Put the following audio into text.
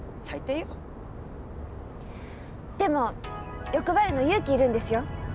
でも欲張るの勇気いるんですよ。